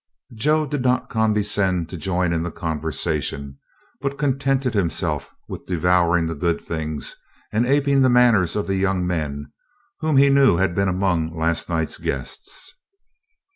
Joe did not condescend to join in the conversation, but contented himself with devouring the good things and aping the manners of the young men whom he knew had been among last night's guests.